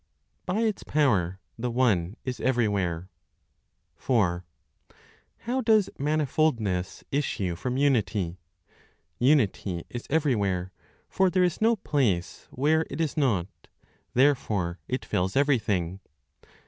BY ITS POWER, THE ONE IS EVERYWHERE. 4. How does manifoldness issue from Unity? Unity is everywhere; for there is no place where it is not; therefore it fills everything.